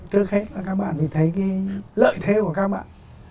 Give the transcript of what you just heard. trước hết là các bạn phải thấy lợi thế của các bạn